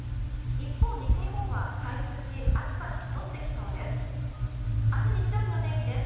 一方、西日本は回復し暑さが戻ってきそうです。